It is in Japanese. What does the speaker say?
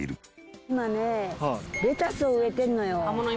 今ねレタスを植えてるのよ。